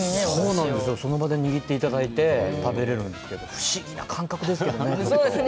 その場で握っていただいて食べられるんですけどそうですね。